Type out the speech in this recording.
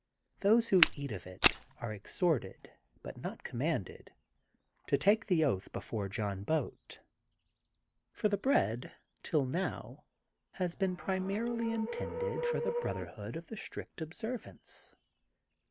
Those who eat of it are ex hortedy but not commanded^ to take the bath bef o.re John Boat, for the bread, till now, has been primarily intended for the Brotherhood of the Strict Observance.